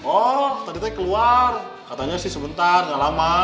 oh tadi teh keluar katanya sih sebentar gak lama